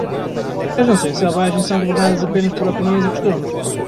As nações selvagens são governadas apenas por opiniões e costumes.